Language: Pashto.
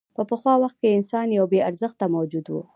په پخوا وخت کې انسان یو بېارزښته موجود و.